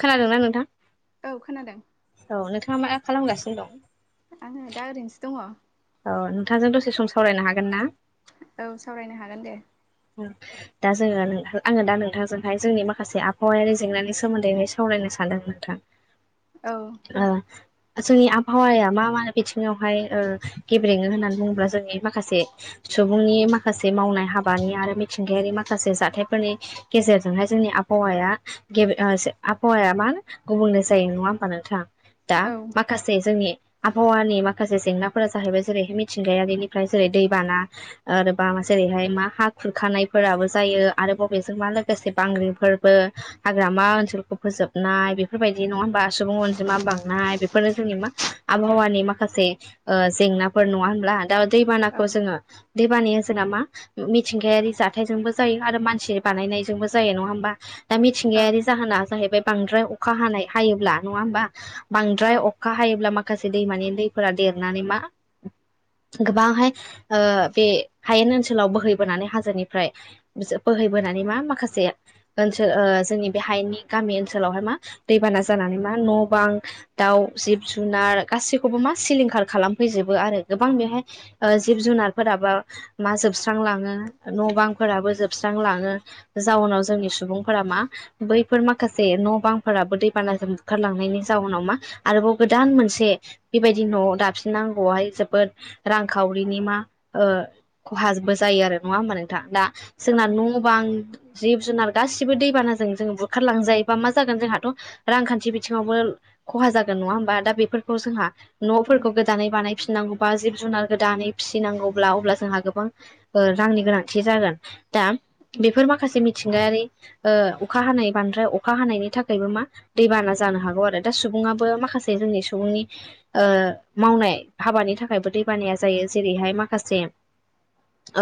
खोनादोंना नोंथां औ खोनादों औ नोंथाङा मा खालामगासिनो दं आङो दा ओरैनोसो दङ औ नोंथांजों दसे सम सावरायनो हागोन ना औ सावरायनो हागोन दे दा जोङो आङो दा नोंथांजोंहाय जोंनि माखासे आबहावायारि जेंनानि सोमोन्दैनो सावरायनो सानदों नोंथां औ दे ओ जोंनि आबहावाया मा मा बिथिङावहाय गेब्रेङो होननानै बुङोब्ला जोंनि माखासे सुबुंनि माखासे मावनाय हा हाबानि आरो मिथिंगायारि माखासे जाथायफोरनि गेजेरजोंहाय जोंनि आबहावाया गेबे ओ आबहावाया मा गुबुंले जायो नङा होमबा नोंथां दा औ माखासे जोंनि आबहावानि माखासे जेंनाफोरा जाहैबाय जेरै मिथिंगायारिनिफ्राय जेरै दैबाना आरोबा जेरैहाय मा हा खुरखानायफोराबो जायो आरो बबेजों मा लोगोसे बांग्रिफोरबो हाग्रामा ओनसोलखौ फोजोबनाय बेफोरबायदि नङा होमबा सुबुं अनजिमा बांनाय बेफोरनो जोंनि मा आबहावानि माखासे ओ जेंनाफोर नङा होनब्ला दा औ दैबानाखौ जोङो दैबानाया जोंहा मा मिथिंगायारि जाथायजोंबो जायो आरो मानसि बानायनायजोंबो जायो नङा होमबा दा औ मिथिंगायारि जाहोना जाहैबाय बांद्राय अखा हानाय हायोब्ला नङा होमबा औ बांद्राय अखा हायोब्ला माखासे दैमानि दैफोरा देरनानै मा गोबांहाय ओ बे हायेन ओनसोलावबो बोहैनानै हाजोनिफ्राय बोहैबोनानै मा माखासे ओनसोल ओ जोंनि बे हायेननि गामि ओनसोलावहाय मा दैबाना जानानै मा न' बां दाउ जिब जुनार गासिखौबो मा सिलिंखार खालामफैजोबो आरो गोबां बेवहाय जिब ओ जुनारफोराबा मा जोबस्रां लाङो न' बांफोराबो जोबस्रांलाङो जाउनाव जोंनि सुबुंफोरा मा बै फोर माखासे न' बांफोराबो दैबानाजों बुखारलांनायनि जाउनाव मा आरोबाव गोदान मोनसे बेबायदि न'आव दाफिननांगौआवहाय जोबोद रांखावरिनि मा ओ खहाबो जायो आरो नङा होमबा नोंथां दा जोंना औ न' बांं जिब जुनार गासिबो दैबानाजों जों बुखारलांजायो बा मा जागोन जोंहाथ' रांखान्थि बिथिङावबो खहा जागोन नङा होमबा दा बेफोरखौ जोंहा औ न'फोरखौ गोदानै बानायफिननांगौ बा जिब जुनार गोदानै फिसिनांगौब्ला अब्ला जोंहा गोबां रांनि गोनांथि जागोन दा बेफोर माखासे मिथिंगायारि ओ अखा हानाय बांद्राय अखा हानायनि थाखायबो मा दैबाना जानो हागौ आरो दा सुबुं आबो माखासे जोंनि सुबुंनि मावनाय हाबानि थाखायबो दैबानाया जायो जेरै बेहाय माखासे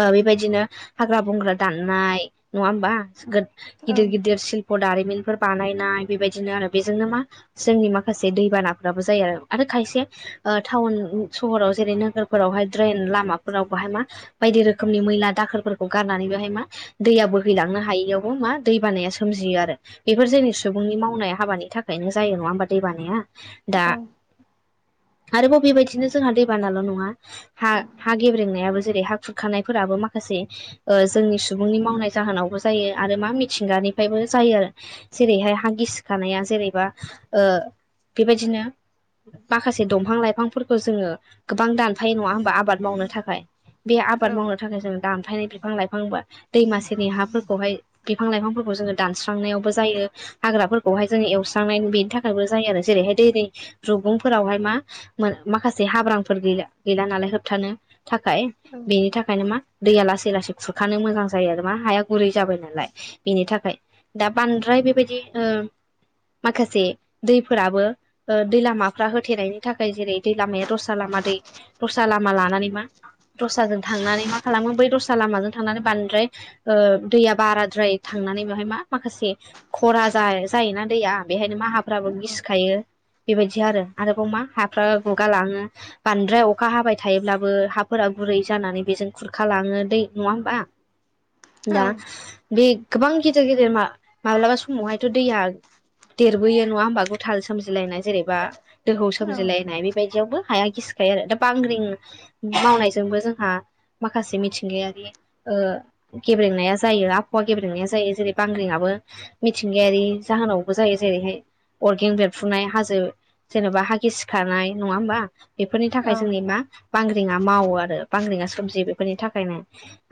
ओ बेबायदिनो हाग्रा बंग्रा दाननाय नङा होमबा गोद गिदिर गिदिर सिशल्प' दारिमिन फोर बानायनाय बेबायदिनो आरो बेजोंनो मा जोंनि माखासे दैबानाफोराबो जायो आरो आरो खायसे ओ टाउन सहराव जेरै नोगोरफोरावहाय ड्रेन लामाफोराव बाहाय मा बायदि रोखोमनि मैला दाखोरफोरखौ गारनानै बेहाय मा दैया बोहैलांनो हायैयावबो मा दै बानाया सोम जियो आरो बेफोर जोंनि सुबुंनि मावनाय हाबानि थाखायनो जायो नङा हबा दै बानाया दा औ आरोबाव बेबायदिनो जोंहा दैबानाल' नङा हा हा गेब्रेंनायाबो जेरै हा खुरखानायफोराबो माखासे जोंनि ओ सुबुंनि मावनाय जाहोनावबो जायो आरो मा मिथिंगानिफ्रायबो जायो आरो जेरैहाय हा गिसिखानाया जेरैबा ओ बेबायदिनो माखासे दंफां लाइफांफोरखौ जोङो गोबां दानफायो नङा होमबा आबाद मावनो थाखाय बे आबाद मावनो औ थाखाय जोंङो ग्रा दानफायनाय बिफां लाइफां बा दैमासेनि हाफोरखौहाय बिफां लाइफांफोरखौ जोङो दानस्रांनायावबो जायो। हाग्राफोरखौहाय जोङो एवस्रांनाय बेनि थाखायबो जायो आरो जेरैहाय दै रुगुंफोरावहाय मा मा माखासे हाब्रांफोर गैला गैला नालाय होबथानो थाखाय बेनि थाखायनो मा दैया लासै लासै खुरखानो मोजां जायो आरो मा हाया गुरै जाबाय नालाय बेनि थाखाय दा बांद्राय बेबायदि ओ माखासे दैफोराबो ओ दै लामाफ्रा होथेनायनि थाखाय जेरै दै लामाया दस्रा लामा मादै दस्रा लामा लानानै मा दस्राजों थांनानै मा खालामगोन बै दस्रा लामाजों थांनानै बांद्राय ओ दैया बाराद्राय थांनानै बेहाय मा माखासे खरा जायोना दैया बेहायनो माहाफ्राबो गिसिखायो बेबायदि आरो आरोबाव मा हाफ्रा गुगा लाङो बांद्राय अखा हाबाय थायोब्लाबो हा फोरा गुरै जानानै बेजों खुरखालाङो दै नङा होमबा औ दा बे गोबां गिदेर गिदिर मा माब्लाबा समावहायथ' दैया देरबोयो नङा होमबा गुथाल सोमजिलायनाय जेनेबा दोहौ सोमजिलायनाय बेबायदियावबो हाया गिसिखायो आरो दा बांग्रिं मावनायजोंबो जोंहा। माखासे मिथिंगायारि ओ गेब्रेंनाया जायो आबहावा गेब्रेंनाया जायो जेरै बांग्रिंङाबो ओ मिथिंगायारि जाहोनावबो जायो जेरैहाय अर्गेंबेरफुनाय हाजो। जेनबा हागि सिखारनाय नङा होमबा बेफोरनि थाखाय जोंनि मा बांग्रि मावो आरो बांग्रिङा सोमजियो बेफोरनि थाखायनो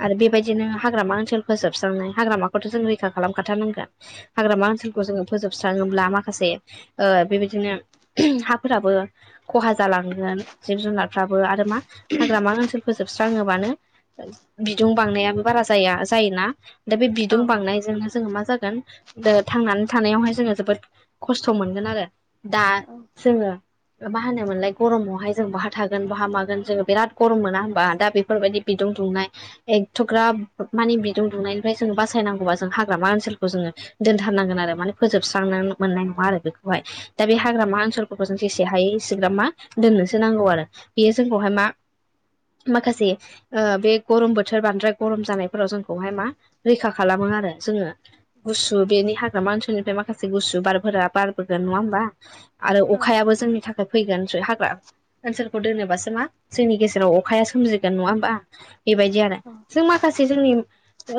आरो बेबायदिनो हाग्रामा ओनसोल फोजोबस्रांनाय हाग्रामाखौथ जों रैखा खालामखथारनांगोन हाग्रामा ओनसोलखौ जोङो फोजोबस्राङोब्ला माखासे बेबायदिनो हाफोराबो खहा जालांगोन जिब जुनारफ्राबो आरो मा? हाग्रामा ओनसोल फोजोबस्राङोबानो बिदुं बांनायाबो बारा जाया जायोना दा बे बिदुं औ औ बांनायजोंनो जोङो मा जागोन? द थांनानै थानायावहाय जोङो जोबोद खस्थ मोनगोन आरो दा जोङो मा होनोमोनलाय गरमावहाय जों बहा थागोन बहा मागोन? जोङो बिराद गरम मोना होमबा दा बेफोरबायदि बिदुं दुंनाय एखथग्राब मानिे बिदुं दुंनायनि ओमफ्राय जों बासायनांगौबा जों हाग्रामा ओनसोलखौ जोङो दोनथारनांगोन आरो माने फोोबस्रां मोननाय नङा आरो बेखौ। दा बे हाग्रामा ओनसोलफोरखौ जों जेसे हायो एसेग्राब मा दोननोसो नांगौ आरो बेयो जो बहाय मा माखासे ओ बे गरम बोथोर बांद्राय गरम जानायफोराव जोंखौहाय मा रैखा खालामो। आरो जोङो गुसु बेनि हाग्रामा ओनसोलनिफ्राय माखासे गुसु बारफोरा बारबोगोन नङा होमबा? आरो अखायाबो जोंनि थाखाय फैगोन हाग्रा ओनसोलखौ दोनोबासो मा? जोंनि गेजेराव अखाया सोमजिगोन नङा होमबा बेबायदि आरो जों माखासे जोंनि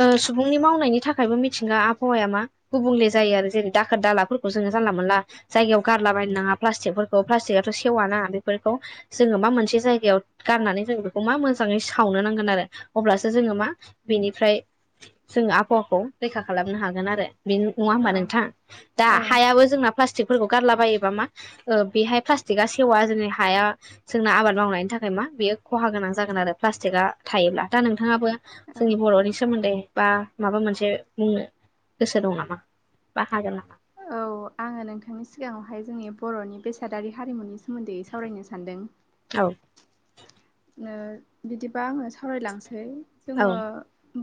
ओ सुबुंनि मावनायनि थाखायबो मिथिंगा आबहावाया मा गुबुंले जायो आरो जेरै दाखोर दालाफोरखौ जोङो जो जानला मानला जायगायाव गारला बायनागा प्लास्टिकफोरखौ प्लास्टिगाथ सेवाना बेफोरखौ जोङो मा मोनसे जायगायाव गाननानै जों बेखौ मा मोजाङै सावनो नांगोन आरो अब्लासो जोङो मा बेनिफ्राय जोङो आबहावाखौ रैखा खालामनो हागोन आरो। बे नङा होमबा नोंथाङा दा हायाबो जोंना प्लास प्लास्टिकफोरखौ गारलाबायोबा मा ओ बेहाय प्लास्टिकआ सेवा जोंनि हाया जोंना आबाद मावनायनि थाखाय मा बेयो खहा गोनां जागोन आरो प्लास्टिकआ थायोब्ला दा नोंथाङाबो जोंनि बर'नि सोमोन्दै बा माबा मोनसे बुंनो गोसो दं नामा बा हागोन नामा? आङो नोंथांनि सिगाङावहाय जोंनि बर'नि बेसादारि हारिमुनि सोमोन्दै सावरायनो सानदों। औ ओ बिदिबा आङो सावरायलांसै औ जोङो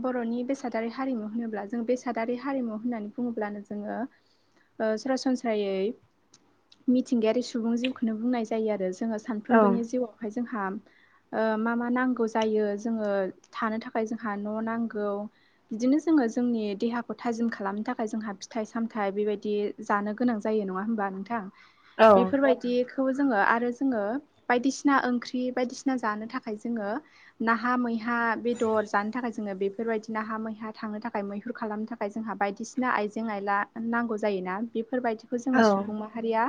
बर'नि बेसादारि हारिमु होनोब्ला जों बेसादारि हारिमु होननानै बुङोब्लानो जोङो ओ ओ सरासनस्रायै मिथिंगायारि सुबुं जिउखौनो बुंनाय जायो आरो। जोङो औ सानफ्रोमबोनि जिउआवहाय जोंहा ओ मा मा नांगौ जायो जोङो थानो थाखाय जोंहा न' नांगौ बिदिनो जोङो जोंनि देहाखौ थाजिम खालामनो थाखाय जोंहा फिथाइ सामथाइ बेबायदि जानो गोनां जायो नङा होमबा नोंथां? औ बेफोरबायदिखौ जोङो आरो जोङो बायदिसिना ओंख्रि बायदिसिना बसिना जानो थाखाय जोङो नाहा मैहा बेदर जानो थाखाय जोङो बेफोरबायदि न हा मैहा थांनो थाखाय मैहुर खालामनो थाखाय जोंहा बायदिसिना आइजें आयला नांगौ जायो। बेफोरबायदिखौ जोङो औ सुबुं माहारिया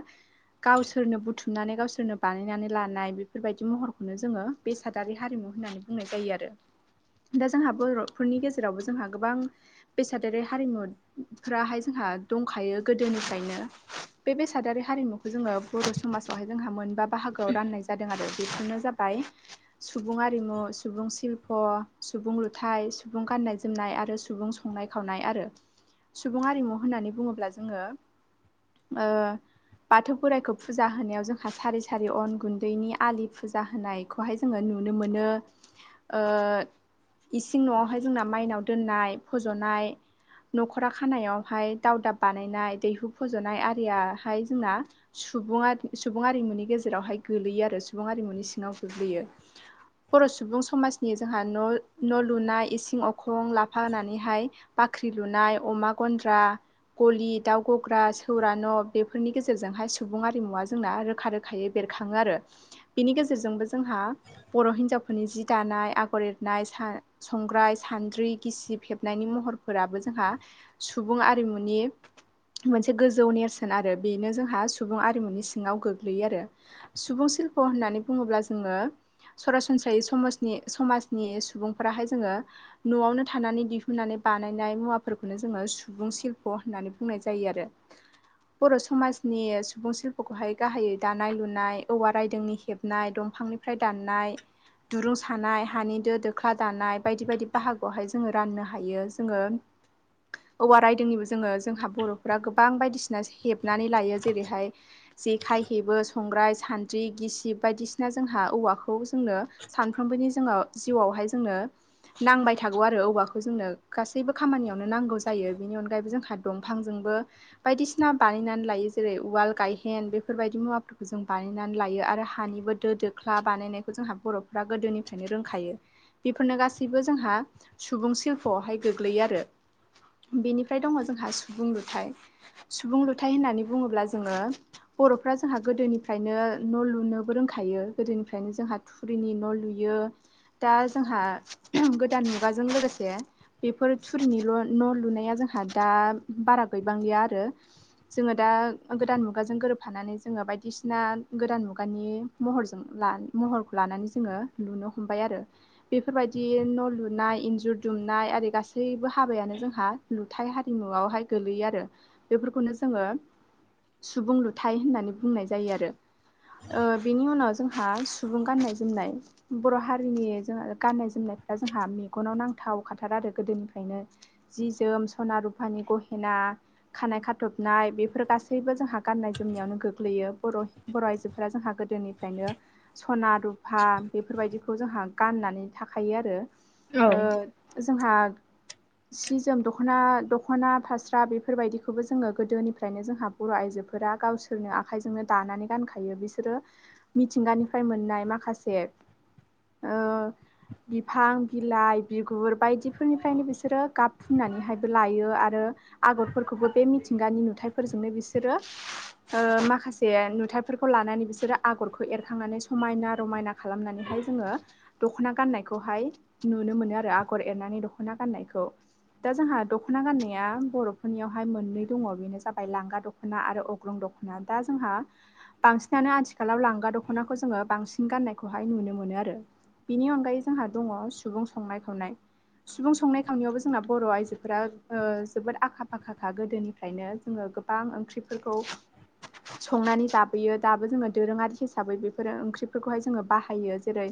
गावसोरनो बुथुमनानै गावसोरनो बानायनानै लानाय बेफोरबायदि महरखौ खौनो जोङो बेसादारि हारिमु होननानै बुंनाय जायो आरो। दा जोंहा बर'फोरनि गेजेरावबो जोंहा गोबां बेसादर हारिमुफ्राहाय जोंहा दंखायो गोदोनिफ्रायनो बे बेसादारि हारिमुखौ जोङो बर' समाजावहाय जोंहा मोनबा बाहागोआव राननाय जादों आरो बेफोरनो जाबाय सुबुं आरिमु सुबुं ल्प' सुबुं लुथाय सुबुं गान्नाय जोमनाय आरो सुबुं संनाय खावनाय आरो सुबुं आरिमु होननानै बुङोब्ला जोङो ओ बाथौ बोराइखौ फुजा होनायाव जोंहा सारि सारि अन गुन्दैनि आलि फुजा जाहोनायखौहाय जोङो नुनो मोनो ओ इसिं न'आवहाय जोंना माइनाव दोननाय फज'नाय न'खरा खानायावहाय दावदाब बानायनाय दैहु फज'नाय आरियाहाय जोंना सुबुं आरिमुनि गेजेरावहाय गोगलैयो आरो सुबुं आरिमुनि सिङाव गोग्लैयो। बर' सुबुं समाजनि जोंहा न' न' लुनाय इसिं अखं लाफा होनानैहाय बाख ख्रि लुनाय अमा गन्द्रा गलि दाउ गग्रा सौर न' बेफोरनि गेजेरजोंहाय सुबुं आरिमुवा जोंना रोखा रोखायै बेर खाङो आरो। बेनि गेजेर जेरबो जोंहा बर' हिनजावफोरनि जि दानाय आगर एरनाय संग्राय सानद्रि बि गिसिब हेबनायनि महरफोराबो जोंहा सुबुं आरिमुनि मोनसे गोजौ नेरसोन आरो बेनो जोंहा सुबुं आरिमुनि सिङाव गोग्लैयो आरो। सुबुं शिल्प' होननानै बुङोब्ला जोङो सरासनस्रायै समाजनि-समाजनि सुबुंफोराहाय जोङो न'आवनो थानानै दिहुननानै बानायनाय मुवाफोरखौनो जोङो सुबुं शिल्प' होननानै बुंनाय जायो आरो। बर' समाजनि सुबुं शिल्पखौहाय गाहायै दानाय लुनाय औवा रायदोंनि हेब नाय दंफांनिफ्राय दाननाय दुरुं सानाय हानि दो दोख्ला दानाय बायदि बायदि बाहागोआवहाय जोङो राननो हायो। जोङो औवा रायदोंनिबो जोङो जोंहा बर'फ्रा गोबां बायदिसिना हेब नानै लायो जेरैहाय जेखाइ हेबो संग्राय सान्द्रि गिसिब बायदिसिना जोंहा औवाखौ जोंनो सानफ्रोमबोनि जोङो जिउआवहाय जोंनो नांबाय थागौ आरो औवाखौ जोंनो गासैबो खामानियावनो नांगौ जायो बेनि अनगायैबो जों दंफांजोंबो बायदिसिना बानायनानै लायो जेरै उवाल गायहेन बेफोरबायदि मुवाफोरखौ जों बानायनानै लायो आरो हानिबो दो दोख्ला बानायनायखौ जोंहा बर'फोरा गोदोनिफ्रायनो रोंखायो बेफोरनो गासैबो जोंहा सुबुं शिल्प'आवहाय गोग्लैयो आरो। बेनिफ्राय दङ जोंहा सुबुं लुथाय सुबुं लुथाय होननानै बुङोब्ला जोङो बर'फ्रा जोंहा गोदोनिफ्रायनो न' लुनो रोंखायो गोदोनिफ्रायनो जोंहा थुरिनि न' लुयो दा जोंहा गोदान मुगाजों लोगोसे बेफोर थुरिनिल' न' लुनाया जोंहा दा बारा गैबांलिया आ रो जोङो दा गोदान मुगाजों गोरोबफानानै जोङो बायदिसिना गोदान मुगानि महरजो-ला-महर लानानै जोङो लुनो हमबाय आरो। बेफोरबायदि न' लु नाय इन्जुर दुमनाय आरो गासैबो हाबायानो जोंहा थाइ हारिमुवावहाय गोलैयो आरो बेफोरखौनो जोङो सुबुं लुथाय होननानै बुंनाय जायो आरो। ओ बिनि उनाव जोंहा सुबुं गाननाय जोमनाय बर' हारिनि जोंहा गाननाय जोमनायफ्रा जोंहा मेगनाव नांथावखाथार आरो गोदोनिफ्रायनो जि जोम सना रुफानि गहेना खानाय खाथबनाय बेफोर गासैबो जोंहा गाननाय जोमनायावनो गोग्लैयो बर' बर' आइजोफोरा जोंहा गो दोनिफ्रायनो सना रुफा बेफोरबायदिखौ जोंहा गाननानै थाखायो आरो। औ ओ जोंहा सि जोम दखना दखना फास्रा बेफोरबायदिखौबो जोङो गोदोनिफ्रायनो जोंहा बर' आइजो फोरा गावसोरनो आखाइजोंनो दानानै गानखायो बिसोरो मिथिंगानिफ्राय मोननाय माखासे ओ बिफां बिलाइ बिगुर बायदिफोरनिफ्रायनो बिसोरो गाब फुननानैहायबो लायो आरो आगरफोरखौबो बे मिथिंगानि नुथाइफोरजोंनो बिसोरो ओ माखासे नुथायफोरखौ लानानै बिसोरो आगरखौ हाय जोङो दख'ना गाननायखौ हाय नुनो मोनो आरो आगर एरनानै दख'ना गाननायखौ। दा जोंहा दख'ना गाननाया बर'फोरनियावहाय मोननै दङ बेनो जाबाय लांगा दख'ना आरो अग्रं दखना। दा जोंहा बांसिनानो आथि खालाव लांगा दख'नाखौ जोङो बांसिन गाननायखौ हाय नुनो मोनो आरो। बिनि अनगायै जोंहा दङ सुबुं संनाय खावनाय। सुबुं संनाय खावनायावबो जोंना बर' आइजोफोरा ओ जोबोद आखा फाखा खा गोदोनिफ्रायनो जोङो‌ गोबां ओंख्रिफोरखौ संनानै जाबोयो दाबो जोङो दोरोङारि हिसाबै बेफोरो ओंख्रिफोरखौहाय जोङो बाहायो जेरै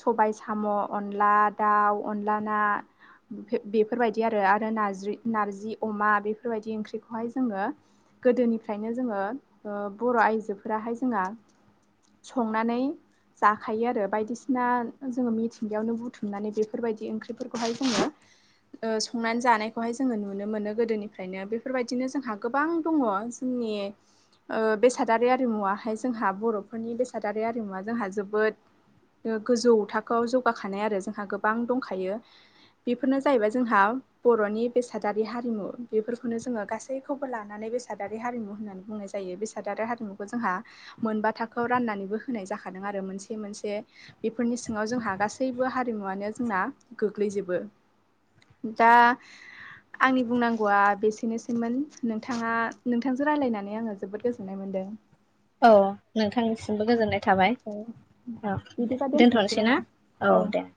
सबाय साम', अनला दाउ अनला ना बेफोरबायदि आरो आरो नारज्रि-नारजि अमा बेफोरबायदि ओंख्रिखौहाय जोङो गोदोनिफ्रायनो जोङो बर' आइजोफोराहाय जोंहा संनानै। जाखायो आरो बायदिसिना जोङो मिथिंगायावनो बुथुमनानै बेफोरबायदि ओंख्रिफोरखौहाय जोङो। संनानै जानायखौहाय जोङो नुनो मोनो गोदोनिफ्रायनो बेफोरबायदिनो जोंहा गोबां दङ जों। नि बेसादारि आरिमुवा हाय जोंहा बर'फोरनि बेसादारि आरिमुवा जोंहा जोबोद गोजौ थाखोआव जौगाखानाय आरो जोंहा गोबां दंखायो। बेफोरनो जाहैबाय जोंहा बर'नि बेसादारि हारिमु बेफोरखौनो जोङो गासैखौबो लानानै। बेसादारि हारिमु होननानै बुंनाय जायो बेसादारि हारिमुखौ जोंहा। मोनबा थाखोआव राननानैबो होनाय जाखादों आरो मोनसे मोनसे बेफोरनि सिङाव जोंहा गासैबो हारिमु। वानो जोंना गोग्लैजोबो दा आंनि बुंनांगौआ बेसेनोसैमोन नोंथाङा नोंथांजों रायज्लायनानै आङो जोबोद गोजोननाय मोनदों। [unintelligible] औ नोंथांनिसिमबो गोजोननाय। थाबाय औ बिदिबा दोनथ'नोसै ना नामा औ दे।